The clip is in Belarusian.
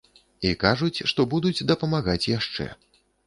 І кажуць, што будуць дапамагаць яшчэ.